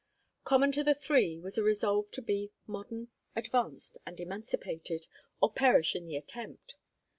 Common to the three was a resolve to be modern, advanced, and emancipated, or perish in the attempt.